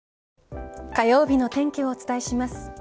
火曜日の天気をお伝えします。